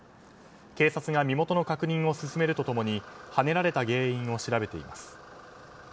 警察が身元の確認を進めると共にはねられた原因を調べています。